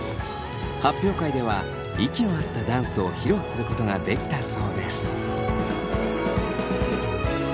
発表会では息の合ったダンスを披露することができたそうです。